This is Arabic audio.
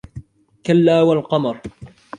كَلاَّ وَالْقَمَرِ